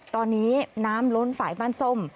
ตอนนี้น้ำล้นฝ่ายบ้านส้ม